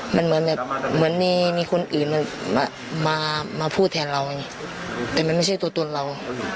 มันเหมือนมีคนอื่นมาพูดแทนเราแต่มันไม่ใช่ตัวตนเรา